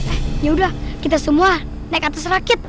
eh yaudah kita semua naik atas rakit